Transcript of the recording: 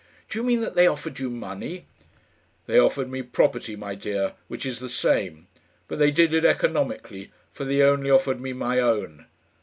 Do you mean that they offered you money?" "They offered me property, my dear, which is the same. But they did it economically, for they only offered me my own.